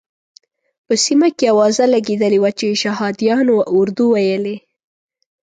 په سیمه کې اوازه لګېدلې وه چې شهادیانو اردو ویلې.